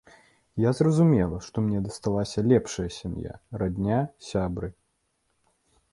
Я зразумела, што мне дасталася лепшая сям'я, радня, сябры.